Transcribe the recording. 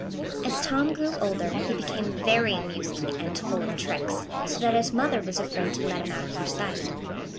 As Tom grew older, he became very amusing and full of tricks, so that his mother was afraid to let him out of her sight.